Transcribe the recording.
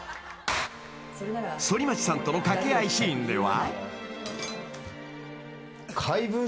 ［反町さんとの掛け合いシーンでは］